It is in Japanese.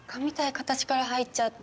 形から入っちゃって。